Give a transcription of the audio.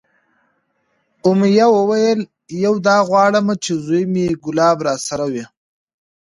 امیه وویل: یو دا غواړم چې زوی مې کلاب راسره وی،